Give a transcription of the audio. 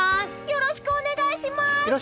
よろしくお願いします！